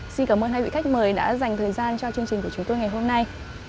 xin cảm ơn hai vị khách mời đã dành thời gian cho chương trình của chúng tôi ngày hôm nay